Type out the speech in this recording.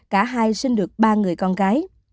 cả hai sinh được ba người con gái